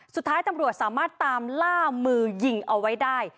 สุดท้ายตำรวจสามารถตามล่ามือยิงเอาไว้ได้